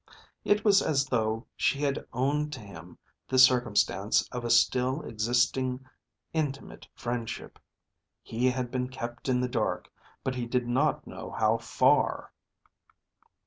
It was as though she had owned to him the circumstance of a still existing intimate friendship. He had been kept in the dark, but he did not know how far.